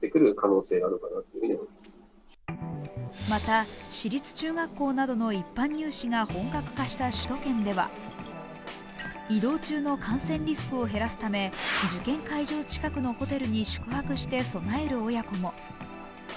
また、私立中学校などの一般入試が本格化した首都圏では移動中の感染リスクを減らすため、受験会場近くのホテルに宿泊して備える親子も。